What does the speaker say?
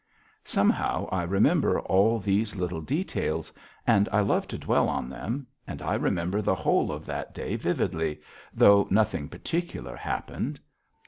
Somehow I remember all these, little details and love to dwell on them, and I remember the whole of that day vividly, though nothing particular happened.